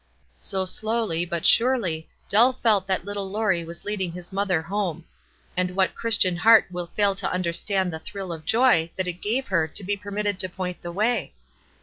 So slowly, but surely, Dell felt that little Laurie was leading his mother home ; and what Christian heart will fail to understand the thrill of joy that it gave her to be permitted to point the way?